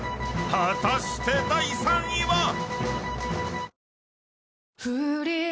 ［果たして第３位は⁉］